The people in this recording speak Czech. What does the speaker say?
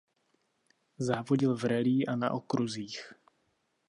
Závodil v rallye a na okruzích.